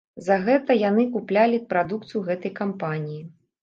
За гэта яны куплялі прадукцыю гэтай кампаніі.